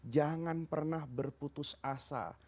jangan pernah berputus asa